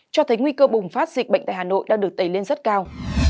cho thấy nguy cơ bùng phát dịch bệnh tại hà nội đã được tẩy lên rất cao